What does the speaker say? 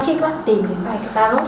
khi các bạn tìm đến bài cát ta rốt